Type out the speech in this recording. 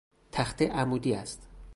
تخته عمودی است.